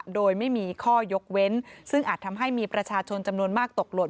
โดยไม่มีข้อยกเว้นซึ่งอาจทำให้มีประชาชนจำนวนมากตกหล่น